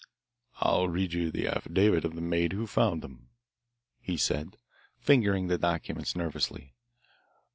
"I'll read you the affidavit of the maid who found them," he said, fingering the documents nervously.